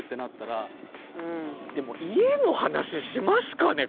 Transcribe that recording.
でも家の話しますかね？